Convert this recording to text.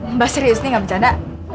mbak serius nih nggak bercanda